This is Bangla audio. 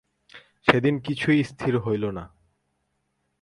সেদিন কিছুই স্থির হইল না।